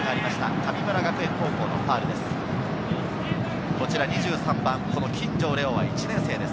神村学園高校のファウルです。